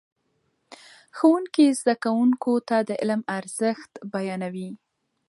ښوونکي زده کوونکو ته د علم ارزښت بیانوي.